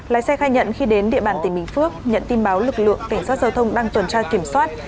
lái xe khai nhận khi đến địa bàn tỉnh bình phước nhận tin báo lực lượng cảnh sát giao thông đang tuần tra kiểm soát